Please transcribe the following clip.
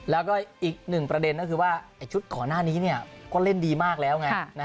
แล้วก็อีกหนึ่งประเด็นก็คือว่าชุดก่อนหน้านี้ก็เล่นดีมากแล้วไง